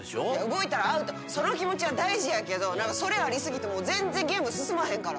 動いたらアウトその気持ちは大事やけどそれありすぎて全然ゲーム進まへんから。